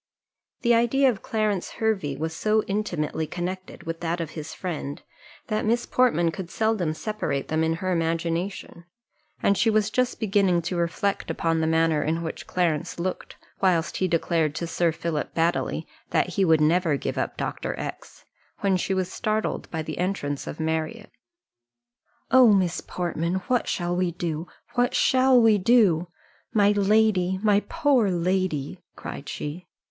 The idea of Clarence Hervey was so intimately connected with that of his friend, that Miss Portman could seldom separate them in her imagination; and she was just beginning to reflect upon the manner in which Clarence looked, whilst he declared to Sir Philip Baddely, that he would never give up Dr. X , when she was startled by the entrance of Marriott. "Oh, Miss Portman, what shall we do? what shall we do? My lady! my poor lady!" cried she.